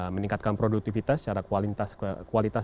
meningkatkan produktivitas secara kualitas